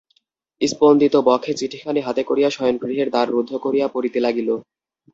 স্পন্দিতবক্ষে চিঠিখানি হাতে করিয়া শয়নগৃহের দ্বার রুদ্ধ করিয়া পড়িতে লাগিল।